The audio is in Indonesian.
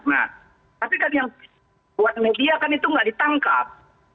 nah tapi kan yang buat media kan itu nggak ditangkap